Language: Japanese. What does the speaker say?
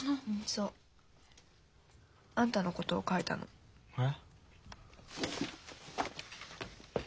そう。あんたのことを書いたの。え？